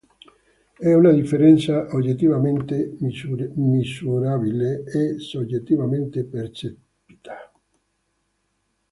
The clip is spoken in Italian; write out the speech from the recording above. È una differenza oggettivamente misurabile e soggettivamente percepita.